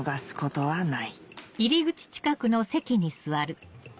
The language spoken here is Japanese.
はい。